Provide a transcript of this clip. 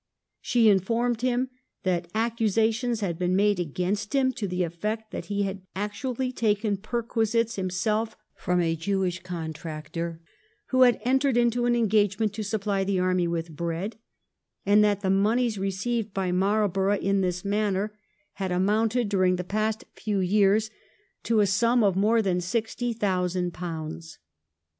She informed him that accu sations had been made against him to the efiect that he had actually taken perquisites himself from a Jewish contractor who had entered into an engage ment to supply the army with bread, and that the moneys received by Marlborough in this manner had 1712 THE CHARGES AGAINST MARLBOROUGH. 117 amounted, during the past few years, to a sum of more than sixty thousand pounds.